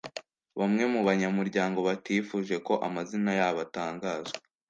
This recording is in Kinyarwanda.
Bamwe mu banyamuryango batifuje ko amazina yabo atangazwa